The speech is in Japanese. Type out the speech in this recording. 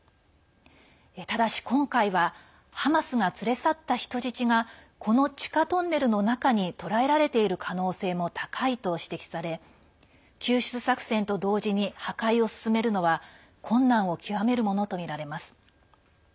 ただし今回はハマスが連れ去った人質がこの地下トンネルの中に捕らえられている可能性も高いと指摘され救出作戦と同時に破壊を進めるのは困難を極めるものとみられます。